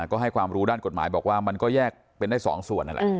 ก็ให้ความรู้ด้านกฎหมายบอกว่ามันก็แยกเป็นได้๒ส่วนนั่นแหละ